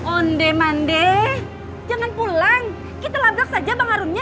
onde mande jangan pulang kita labrak saja bang harumnya